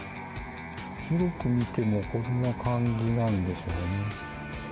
広く見ても、こんな感じなんですよね。